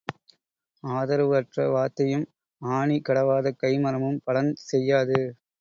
ஆதரவு அற்ற வார்த்தையும் ஆணி கடவாத கை மரமும் பலன் செய்யாது.